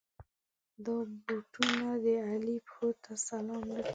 دا بوټونه د علي پښو ته سلام نه کوي.